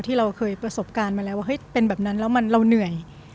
ที่เราเคยประสบการณ์มาแล้วว่าเฮ้ยเป็นแบบนั้นแล้วเราเหนื่อย